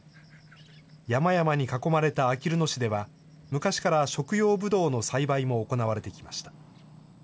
山々に囲まれたあきる野市では、昔から食用ブドウの栽培も行われてきました。